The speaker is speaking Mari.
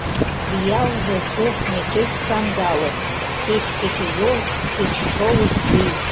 Лиялже шӧртньӧ кеч сандалык, Кеч кечыйол, кеч шолып вий.